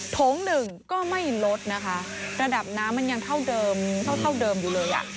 โถงหนึ่งก็ไม่ลดนะคะระดับน้ำมันยังเท่าเดิมเท่าเท่าเดิมอยู่เลยอ่ะ